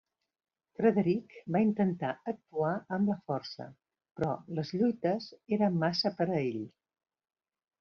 Frederic va intentar actuar amb la força, però les lluites eren massa per a ell.